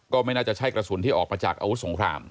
ไม่น่าจะใช่กระสุนที่ออกมาจากอาวุธสงคราม